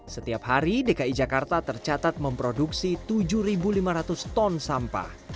setiap hari dki jakarta tercatat memproduksi tujuh lima ratus ton sampah